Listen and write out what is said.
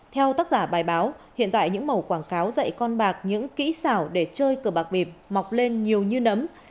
theo tác giả bài báo hiện tại những màu quảng cáo dạy con bạc những kỹ xảo để chơi cờ bạc bịp mọc lên nhiều như nấm